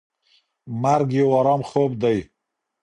مرګ یو ارام خوب دی.